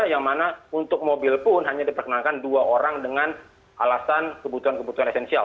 yang mana untuk mobil pun hanya diperkenankan dua orang dengan alasan kebutuhan kebutuhan esensial